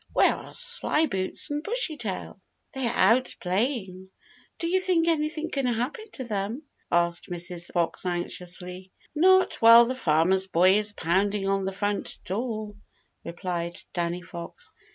Where are Slyboots and Bushytail?" "They are out playing. Do you think anything can happen to them?" answered Mrs. Fox anxiously. "Not while the Farmer's Boy is pounding on the front door," replied Danny Fox.